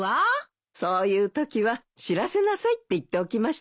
そういうときは知らせなさいって言っておきましたよ。